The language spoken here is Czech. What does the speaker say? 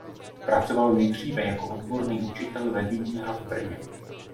Pracoval nejdříve jako odborný učitel ve Vídni a v Brně.